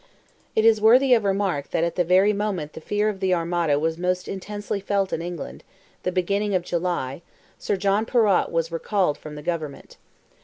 It is worthy of remark that at the very moment the fear of the armada was most intensely felt in England—the beginning of July—Sir John Perrott was recalled from the government.